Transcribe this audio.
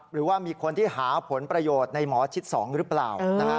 หรือว่ามีคนที่หาผลประโยชน์ในหมอชิด๒หรือเปล่า